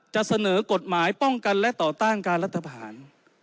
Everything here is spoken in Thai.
จะเสนอกฎหมายป้องกันและต่อต้านการรัฐพาหาร